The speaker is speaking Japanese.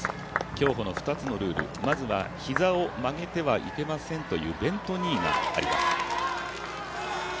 競歩の２つのルール膝を曲げてはいけませんというベント・ニーがあります。